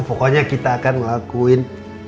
pokoknya kita akan ngelakuin